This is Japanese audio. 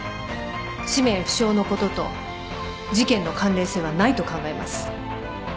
氏名不詳のことと事件の関連性はないと考えます。